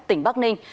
tỉnh bắc ninh